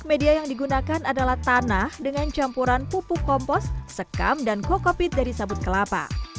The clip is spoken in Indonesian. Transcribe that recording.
media yang digunakan adalah tanah dengan campuran pupuk kompos sekam dan kokopit dari sabut kelapa